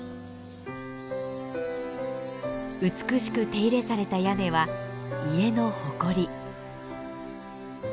美しく手入れされた屋根は家の誇り。